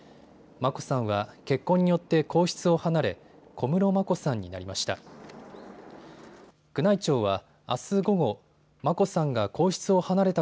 眞子さんは結婚によって皇室を離れ小室眞子さんになりました。